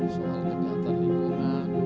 soal kenyataan lingkungan